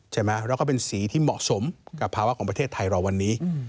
ใช่ไหมแล้วก็เป็นสีที่เหมาะสมกับภาวะของประเทศไทยเราวันนี้